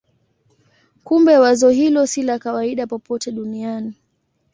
Kumbe wazo hilo si la kawaida popote duniani.